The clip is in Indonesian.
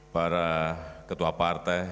para ketua partai